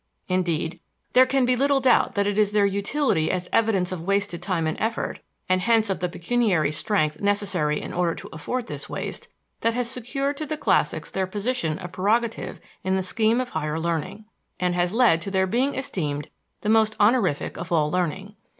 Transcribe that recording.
Indeed, there can be little doubt that it is their utility as evidence of wasted time and effort, and hence of the pecuniary strength necessary in order to afford this waste, that has secured to the classics their position of prerogative in the scheme of higher learning, and has led to their being esteemed the most honorific of all learning.